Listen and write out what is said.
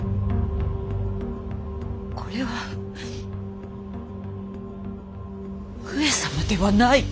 これは上様ではない。